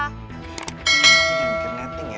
gak mikir nanting ya